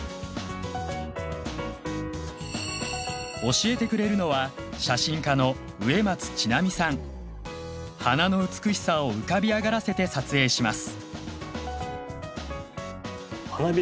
教えてくれるのは花の美しさを浮かび上がらせて撮影します。